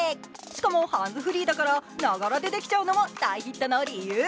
しかもハンズフリーだから、ながらでできちゃうのも大ヒットの理由。